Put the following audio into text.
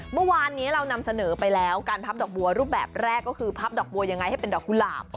เมื่อวานนี้เรานำเสนอไปแล้วการพับดอกบัวรูปแบบแรกก็คือพับดอกบัวยังไงให้เป็นดอกกุหลาบ